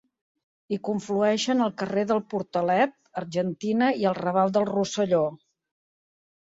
Hi conflueixen el carrer del Portalet, Argentina i el Raval del Rosselló.